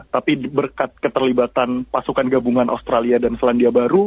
tapi berkat keterlibatan pasukan gabungan australia dan selandia baru